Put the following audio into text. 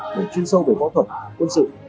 được chuyên sâu về võ thuật quân sự